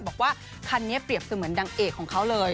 บอกว่าคันนี้เปรียบเสมือนดังเอกของเขาเลย